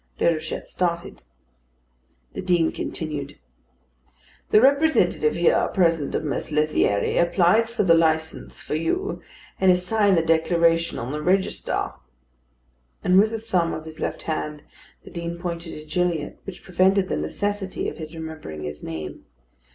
Déruchette started. The Dean continued: "The representative here present of Mess Lethierry applied for the licence for you, and has signed the declaration on the register." And with the thumb of his left hand the Dean pointed to Gilliatt, which prevented the necessity of his remembering his name.